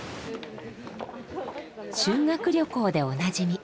修学旅行でおなじみ